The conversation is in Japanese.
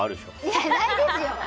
いや、ないですよ！